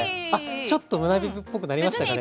ちょっと胸ビレっぽくなりましたかね？